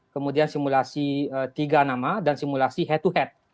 kemudian simulasi tiga nama dan simulasi head to head